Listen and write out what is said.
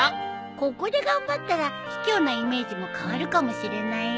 ここで頑張ったらひきょうなイメージも変わるかもしれないよ。